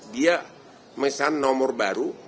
dia mesan nomor baru